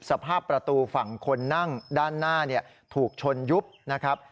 สภาพประตูฝั่งคนนั่งด้านหน้าถูกชนยุบนะครับ